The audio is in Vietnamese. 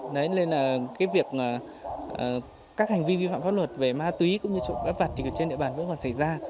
đấy nên là cái việc các hành vi vi phạm pháp luật về ma túy cũng như trụng áp vặt thì trên địa bàn vẫn còn xảy ra